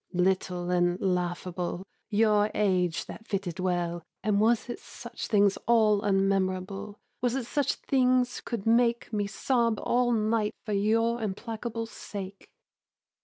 Little and laughable, Your age that fitted well. And was it such things all unmemorable, Was it such things could make Me sob all night for your implacable sake?